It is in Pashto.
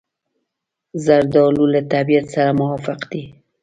زردالو له طبیعت سره موافق دی.